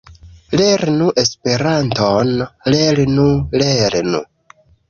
Lernu Esperanton! Lernu! Lernu!